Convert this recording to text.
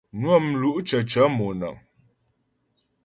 Nwə́ mlú' cəcə̂ mònə̀ŋ.